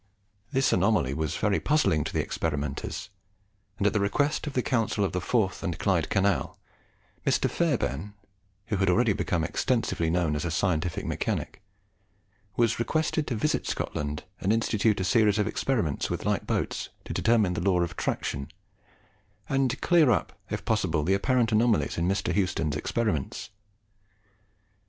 This anomaly was very puzzling to the experimenters, and at the request of the Council of the Forth and Clyde Canal, Mr. Fairbairn, who had already become extensively known as a scientific mechanic, was requested to visit Scotland and institute a series of experiments with light boats to determine the law of traction, and clear up, if possible, the apparent anomalies in Mr. Houston's experiments.